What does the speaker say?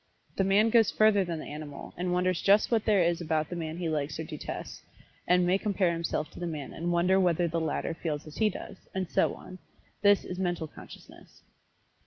But the man goes further than the animal, and wonders just what there is about the man he likes or detests, and may compare himself to the man and wonder whether the latter feels as he does, and so on this is Mental Consciousness.